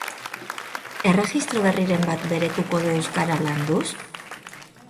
Erregistro berriren bat beretuko du euskara landuz?